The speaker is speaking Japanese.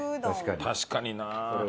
確かにな。